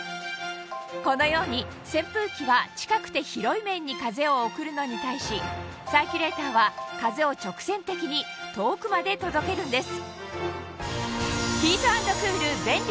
このように扇風機は近くて広い面に風を送るのに対しサーキュレーターは風を直線的に遠くまで届けるんです